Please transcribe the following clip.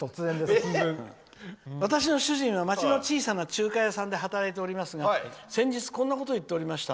私の主人は町の小さな中華屋さんで働いておりますが先日、こんなことを言っておりました。